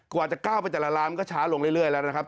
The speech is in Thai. กว่าจะก้าวไปแต่ละร้านก็ช้าลงเรื่อยแล้วนะครับ